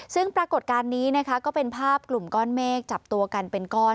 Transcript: ซึ่งปรากฏการณ์นี้นะคะก็เป็นภาพกลุ่มก้อนเมฆจับตัวกันเป็นก้อน